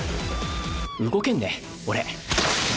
動けんね俺。